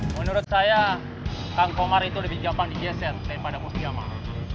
menurut saya kang komar itu lebih gampang di geser daripada bos jamal